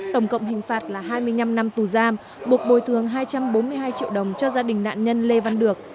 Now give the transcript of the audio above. tổng cộng hình phạt là hai mươi năm năm tù giam buộc bồi thường hai trăm bốn mươi hai triệu đồng cho gia đình nạn nhân lê văn được